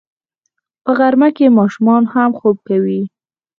په غرمه کې ماشومان هم خوب کوي